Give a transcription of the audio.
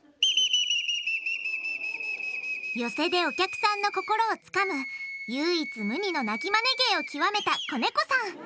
寄席でお客さんの心をつかむ唯一無二の鳴きマネ芸を究めた小猫さん！